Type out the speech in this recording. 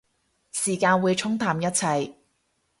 時間會沖淡一切